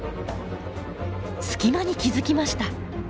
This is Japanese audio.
隙間に気付きました。